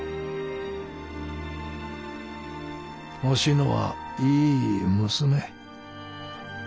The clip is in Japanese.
お志乃はいい娘。